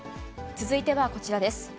続いてはこちらです。